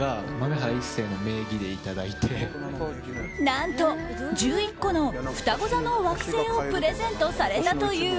何と１１個のふたご座の惑星をプレゼントされたという。